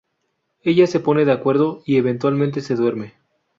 Ella se pone de acuerdo y eventualmente se duerme.